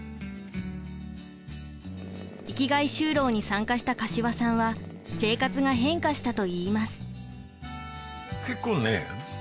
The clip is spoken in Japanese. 生きがい就労に参加した柏さんは生活が変化したといいます。